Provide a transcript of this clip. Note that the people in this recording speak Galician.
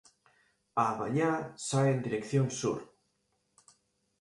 Á mañá sae en dirección sur.